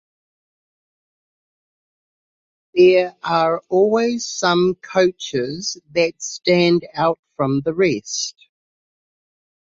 There are always some coaches that stand out from the rest.